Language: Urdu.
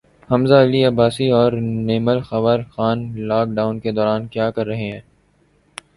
حمزہ علی عباسی اور نیمل خاور خان لاک ڈان کے دوران کیا کررہے ہیں